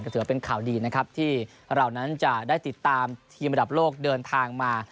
ถือว่าเป็นข่าวดีนะครับที่เรานั้นจะได้ติดตามทีมระดับโลกเดินทางมา